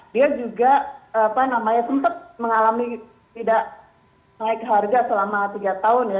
dia juga sempat mengalami tidak naik harga selama tiga tahun ya